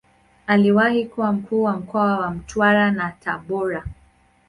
Aliwahi kuwa Mkuu wa mkoa wa Mtwara na Tabora.